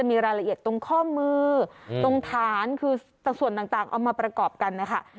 มีรายละเอียดตรงข้อมือตรงฐานต่างประกอบกันนะคะ